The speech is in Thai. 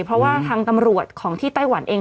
เพราะว่าทางตำรวจของที่ไต้หวันเอง